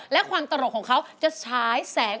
และความตลกของเขาจะฉายแสง